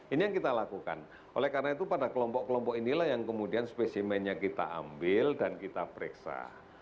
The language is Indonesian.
ini yang kita lakukan oleh karena itu pada kelompok kelompok inilah yang kemudian spesimennya kita ambil dan kita periksa